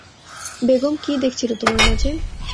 বেগম কি দেখছিলো তোমার মাঝে?